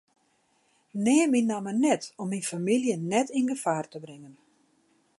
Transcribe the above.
Neam myn namme net om myn famylje net yn gefaar te bringen.